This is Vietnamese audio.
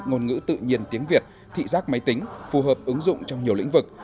ngôn ngữ tự nhiên tiếng việt thị giác máy tính phù hợp ứng dụng trong nhiều lĩnh vực